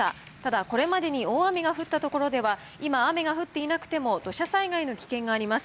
ただ、これまでに大雨が降った所では、今、雨が降っていなくても土砂災害の危険があります。